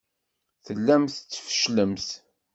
Tellamt tfecclemt.